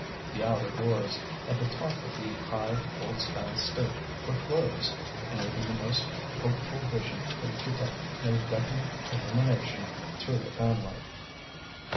The outer doors, at the top of the high, old style stoop, were closed, and even the most hopeful vision could detect no definite illumination through the fan light.